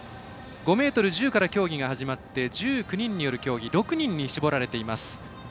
５ｍ１０から競技が始まって１９人による競技６人に絞られています。